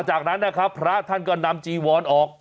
จากนั้นนะครับพระท่านก็นำจีวรออก